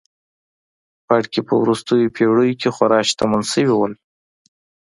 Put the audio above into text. پاړکي په وروستیو پېړیو کې خورا شتمن شوي وو.